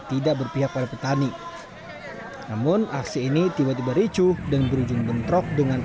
tidak berpihak pada petani namun aksi ini tiba tiba ricuh dan berujung bentrok dengan